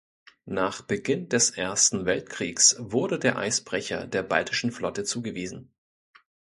Nach Beginn des Ersten Weltkriegs wurde der Eisbrecher der Baltischen Flotte zugewiesen.